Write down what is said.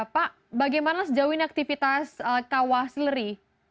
pak bagaimana sejauh ini aktivitas kawah sileri